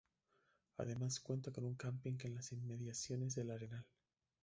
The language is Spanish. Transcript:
Además cuenta con un camping en las inmediaciones del arenal.